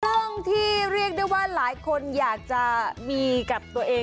เรื่องที่เรียกได้ว่าหลายคนอยากจะมีกับตัวเอง